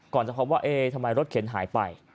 ก่อนจะฟับว่าเอ๊ยทำไมรถเข็นหายไป